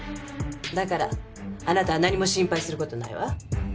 だからあなたは何も心配する事ないわ。